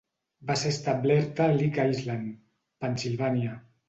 Va ser establerta a League Island, Pensilvània.